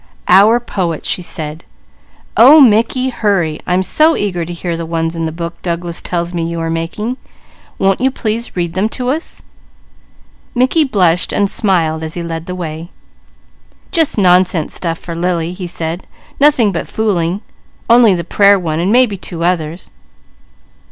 "Our poet!" she said. "Oh Mickey, hurry! I'm so eager to hear the ones in the book Douglas tells me you are making! Won't you please read them to us?" Mickey smiled as he led the way. "Just nonsense stuff for Lily," he said. "Nothing but fooling, only the prayer one, and maybe two others."